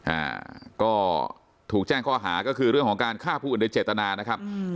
อ่าก็ถูกแจ้งข้อหาก็คือเรื่องของการฆ่าผู้อื่นโดยเจตนานะครับอืม